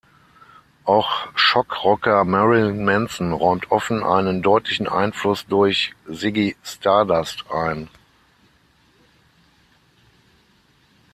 Auch Shock-Rocker Marilyn Manson räumt offen einen deutlichen Einfluss durch Ziggy Stardust ein.